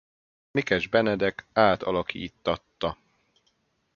Mikes Benedek átalakíttatta.